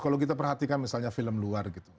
kalau kita perhatikan misalnya film luar gitu